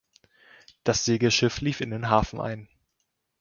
Das Segelschiff lief in den Hafen ein.